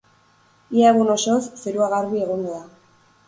Ia egun osoz zerua garbi egongo da.